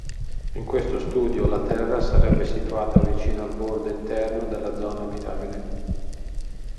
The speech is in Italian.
In questo studio la Terra sarebbe situata vicino al bordo interno della zona abitabile.